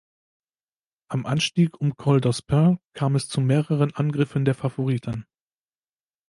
Am Anstieg um Col d’Aspin kam es zu mehreren Angriffen der Favoriten.